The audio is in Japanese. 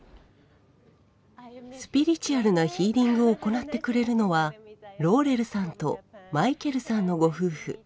スピリチュアルなヒーリングを行ってくれるのはローレルさんとマイケルさんのご夫婦。